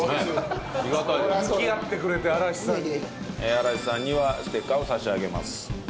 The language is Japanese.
嵐さんにはステッカーを差し上げます。